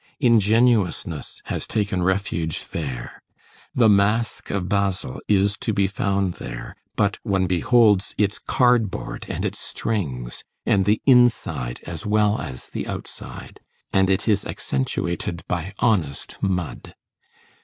Ingenuousness has taken refuge there. The mask of Basil is to be found there, but one beholds its cardboard and its strings and the inside as well as the outside, and it is accentuated by honest mud.